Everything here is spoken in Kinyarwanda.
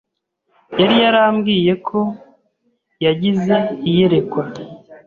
yari yarambwiye ko yagize iyerekwa